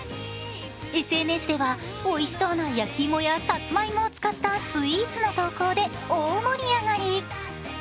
ＳＮＳでは、おいしそうな焼き芋やさつまいもを使ったスイーツの投稿で大盛り上がり。